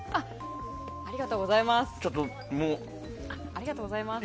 ありがとうございます。